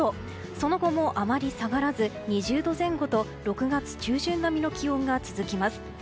その後もあまり下がらず２０度前後と６月中旬並みの気温が続きます。